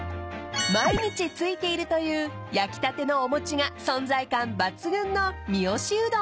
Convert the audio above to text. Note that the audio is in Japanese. ［毎日ついているという焼きたてのお餅が存在感抜群の三芳うどん］